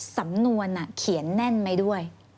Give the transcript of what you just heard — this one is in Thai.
สำนวนเขียนแน่นไหมด้วย